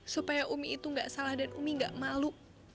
supaya umi itu gak salah dan umi gak malu